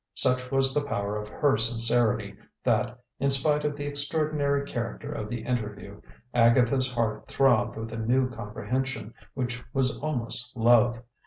Such was the power of her sincerity, that, in spite of the extraordinary character of the interview, Agatha's heart throbbed with a new comprehension which was almost love.